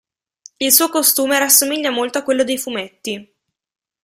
Il suo costume rassomiglia molto a quello dei fumetti.